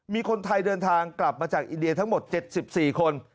มีคนไทยเดินทางกลับมาจากอินเดียทั้งหมด๗๔คน